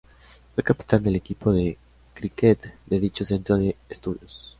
Fue capitán del equipo de críquet de dicho centro de estudios.